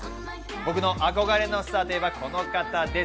僕の憧れのスターといえば、この方です。